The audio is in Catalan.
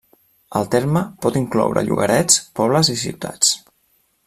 El terme pot incloure llogarets, pobles i ciutats.